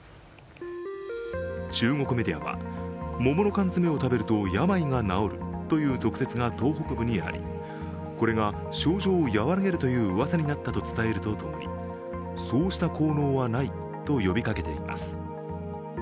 中国メディアは桃の缶詰を食べると病が治るという俗説が東北部にありこれが症状を和らげるといううわさになったと伝えると共にそうした効能はないと呼びかけています。